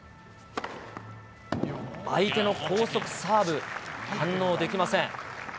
相手の高速サーブ、反応できません。